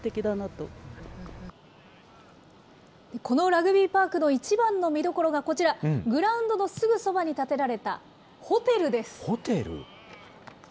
このラグビーパークのいちばんの見どころがこちら、グラウンドのすぐそばに建てられたホテルです。